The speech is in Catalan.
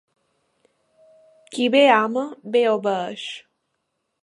Qui bé ama, bé obeeix.